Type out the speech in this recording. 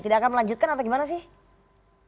tidak akan melanjutkan atau gimana sih